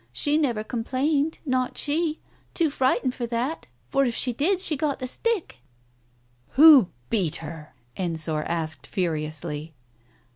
She never complained, not she — too frightened for that, for if she did she got the stick "" Who beat her ?" Ensor asked, furiously.